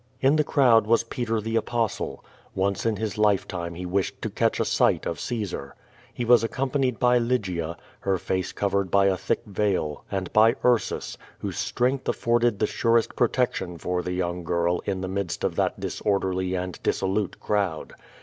In the crowd was Peter the Apostle. Once in his life time he wished to catch a sight of Caesar. He was accompanied by Lygia, her face covered by a thick veil, and by Ursus, whose strength afforded the surest protection for the young girl in the midst of that disorderly and dissolute crowd.